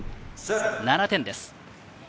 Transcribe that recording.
７点です。